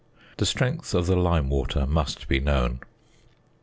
The strength of the lime water must be known.